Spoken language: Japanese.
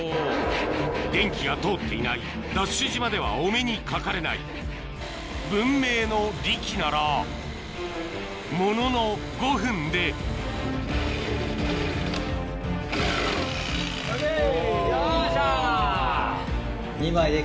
電気が通っていないＤＡＳＨ島ではお目にかかれない文明の利器ならものの５分でよっしゃ。